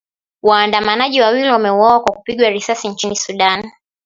Waandamanaji wawili wameuawa kwa kupigwa risasi nchini Sudan.